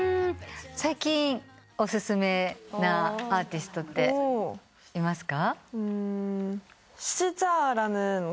最近お薦めなアーティストっていますか？